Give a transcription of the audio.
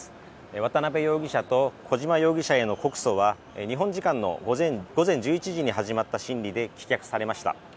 渡辺容疑者と小島容疑者への告訴は日本時間の午前１１時に始まった審理で棄却されました。